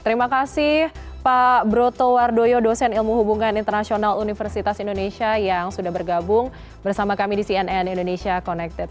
terima kasih pak broto wardoyo dosen ilmu hubungan internasional universitas indonesia yang sudah bergabung bersama kami di cnn indonesia connected